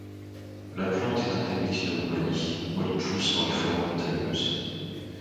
La plante est endémique de Roumanie où elle pousse dans les forêts montagneuses.